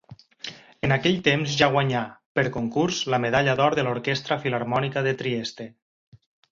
En aquell temps ja guanyà, per concurs, la medalla d'or de l'Orquestra Filharmònica de Trieste.